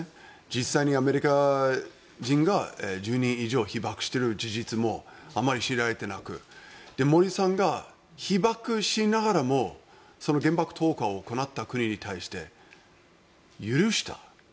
実際にアメリカ人が１０人以上被爆している事実もあまり知られてなく森さんが被爆しながらも原爆投下を行った国に対して許した。